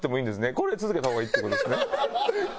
これで続けた方がいいっていう事ですね？